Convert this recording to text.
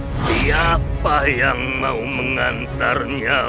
siapa yang mau mengantar nyawa